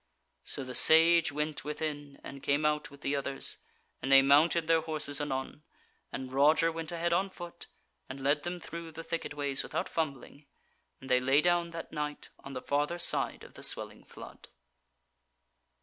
So the Sage went within, and came out with the others, and they mounted their horses anon, and Roger went ahead on foot, and led them through the thicket ways without fumbling; and they lay down that night on the farther side of the Swelling Flood.